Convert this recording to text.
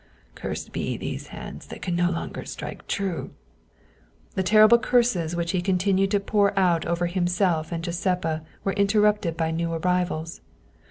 Cursed be these hands that can no longer strike true !" The terrible curses which he continued to pour out over himself and Giuseppa were inter rupted by new arrivals.